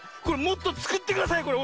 これもっとつくってください！